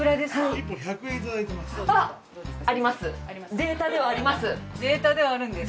データではあるんです。